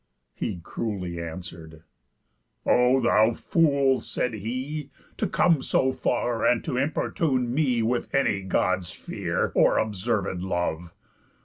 He cruelly answer'd: 'O thou fool,' said he, To come so far, and to importune me With any God's fear, or observéd love!